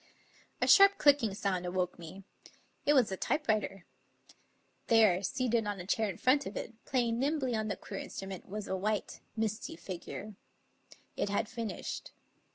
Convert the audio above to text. A sharp clicking sound awoke me. It was the typewriter. There, seated on a chair in front of it, playing nimbly on the queer instrument, was a white, misty figure. It had finished.